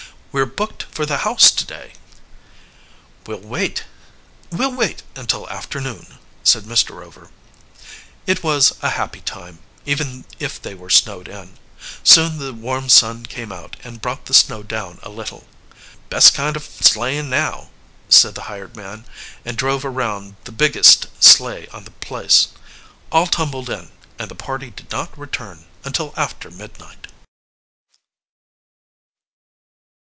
"We're booked for the house today!" "We'll wait until afternoon," said Mr. Rover. It was a happy time, even if they were snowed in. Soon the warm sun came out and brought the snow down a little. "Best kind of sleighing now," said the hired man, and drove around the biggest sleigh on the place. All tumbled in, and the party did not return until after midnight.